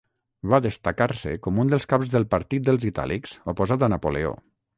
Va destacar-se com un dels caps del partit dels itàlics oposat a Napoleó.